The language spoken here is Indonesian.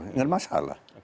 enggak ada masalah